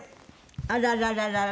あららららら。